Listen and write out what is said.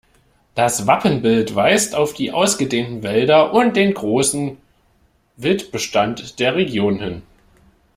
Das Wappenbild weist auf die ausgedehnten Wälder und den grossen Wildbestand der Region hin.